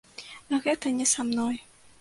Гэта не са мной.